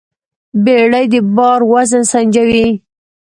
بیړۍ د بار وزن سنجوي.